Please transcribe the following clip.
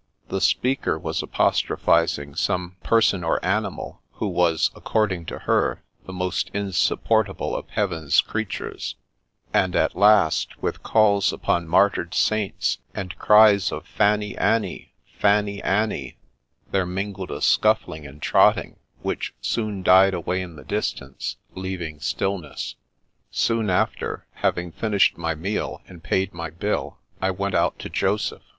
The speaker was apostro phising some person or animal, who was, according to her, the most insupportable of Heaven's crea tures; and at last, with calls upon martyred saints, and cries of " Fanny anny, Fanny anny," there mingled a scuffling and trotting which soon died away in the distance, leaving stillness. Soon after, having finished my meal, and paid my bill, I went out to Joseph.